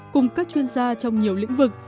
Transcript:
cùng các chuyên gia trong nhiều lĩnh vực